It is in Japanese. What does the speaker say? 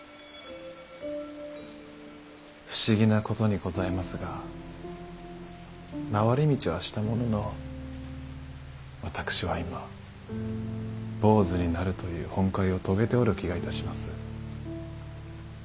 不思議なことにございますが回り道はしたものの私は今坊主になるという本懐を遂げておる気がいたします。